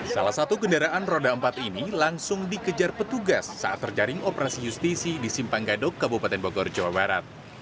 salah satu kendaraan roda empat ini langsung dikejar petugas saat terjaring operasi justisi di simpang gadok kabupaten bogor jawa barat